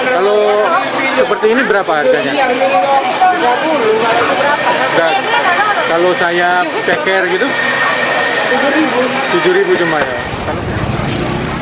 kalau sayap cakar gitu rp tujuh cuma ya